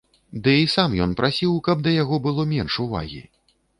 Ды і сам ён прасіў, каб да яго было менш увагі!